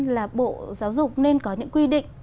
là bộ giáo dục nên có những quy định